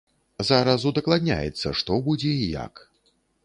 Зараз удакладняецца, што будзе і як.